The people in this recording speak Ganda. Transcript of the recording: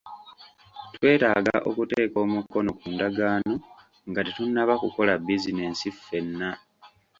Twetaaga okuteeka omukono ku ndagaano nga tetunnaba kukola bizinesi ffenna.